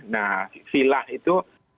nah vilah itu